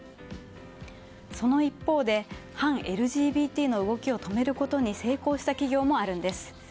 その一方反ＬＧＢＴの動きを止めることに成功した企業もあるんです。